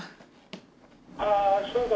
「ああそうか」